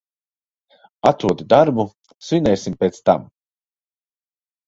Atrodi darbu, svinēsim pēc tam.